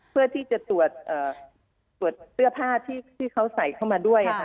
เพื่อที่จะตรวจเสื้อผ้าที่เขาใส่เข้ามาด้วย